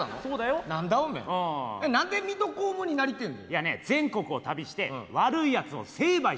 いやね全国を旅して悪いやつを成敗して。